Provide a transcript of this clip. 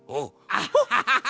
アッハハハハ！